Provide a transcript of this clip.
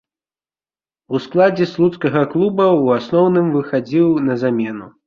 У складзе слуцкага клуба ў асноўным выхадзіў на замену.